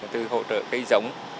từ hỗ trợ cây giống